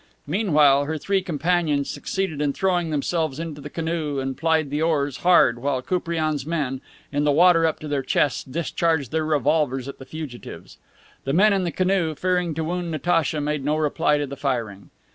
Meanwhile, her three companions succeeded in throwing themselves into the canoe and plied the oars hard while Koupriane's men, in the water up to their chests, discharged their revolvers at the fugitives. The men in the canoe, fearing to wound Natacha, made no reply to the firing.